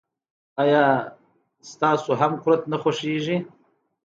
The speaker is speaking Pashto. آیا تاسو هم کورت نه خوښیږي.